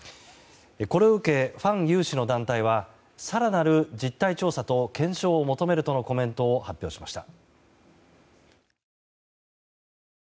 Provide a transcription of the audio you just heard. これを受け、ファン有志の団体は更なる実態調査と検証を求めるとのコメントを発表しました。